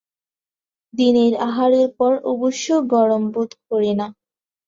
দিনের আহারের পর অবশ্য গরম বোধ করি না।